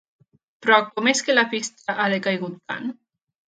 Però, com és que la pista ha decaigut tant?